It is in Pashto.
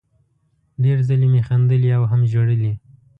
ډېر ځلې مې خندلي او هم ژړلي